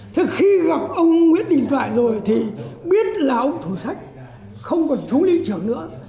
thế khi gặp ông nguyễn đình toại rồi thì biết là ông thủ sách không còn chú lý trưởng nữa